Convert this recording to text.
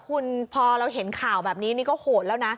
คุณพอเราเห็นข่าวแบบนี้นี่ก็โหดแล้วนะ